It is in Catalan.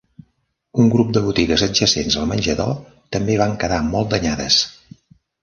Un grup de botigues adjacents al menjador també van quedar molt danyades.